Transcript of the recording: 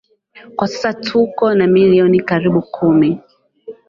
kwa sasa tuko na milioni karibu kumi